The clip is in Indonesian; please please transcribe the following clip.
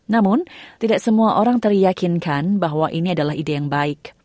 namun tidak semua orang teryakinkan bahwa ini adalah ide yang baik